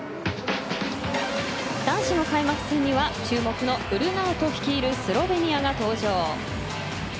男子の開幕戦には注目のウルナウト率いるスロベニアが登場。